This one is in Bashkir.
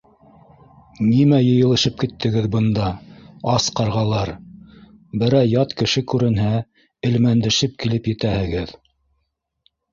— Нимә йыйылышып киттегеҙ бында, ас ҡарғалар? Берәй ят кеше күренһә, элмәндәшеп килеп етәһегеҙ!